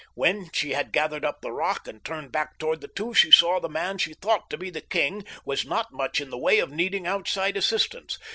When she had gathered up the rock and turned back toward the two she saw that the man she thought to be the king was not much in the way of needing outside assistance.